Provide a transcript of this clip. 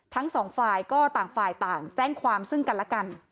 ทั้ง๒ฝ่ายก็ต่างต่างแจ้งความซึ่งกันและกัน